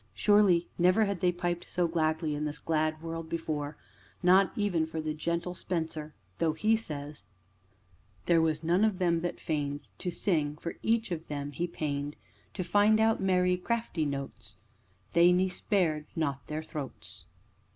Surely never had they piped so gladly in this glad world before not even for the gentle Spenser, though he says: "There was none of them that feigned To sing, for each of them him pained; To find out merry, crafty notes They ne spared not their throats."